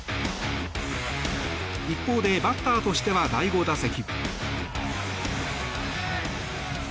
一方でバッターとしては第５打席。